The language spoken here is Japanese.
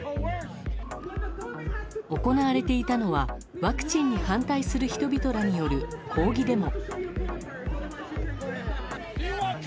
行われていたのはワクチンに反対する人々らによる抗議デモ。